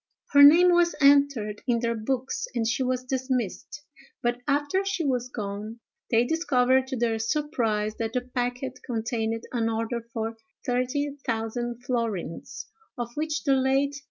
Her name was entered in their books and she was dismissed; but, after she was gone, they discovered to their surprise that the packet contained an order for thirty thousand florins, of which the late Mr. St.